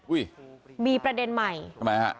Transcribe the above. มีประเด็นใหม่ทำไมฮะ